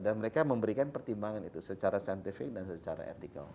dan mereka memberikan pertimbangan itu secara scientific dan secara ethical